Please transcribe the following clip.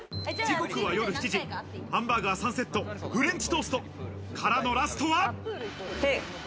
時刻は夜７時、ハンバーガー３セット、フレンチトーストからのラストは。